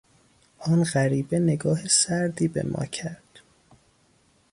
آن غریبه نگاه سردی به ما کرد.